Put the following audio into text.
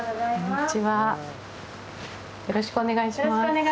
よろしくお願いします。